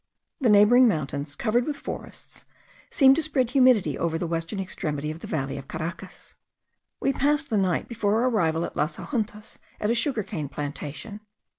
The neighbouring mountains, covered with forests, seem to spread humidity over the western extremity of the valley of Caracas. We passed the night before our arrival at Las Ajuntas at a sugar cane plantation.